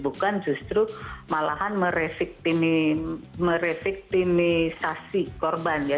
bukan justru malahan mereviktimisasi korban ya